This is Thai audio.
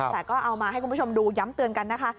แต่ก็เอามาให้คุณผู้ชมดูย้ำเตือนกันนะคะ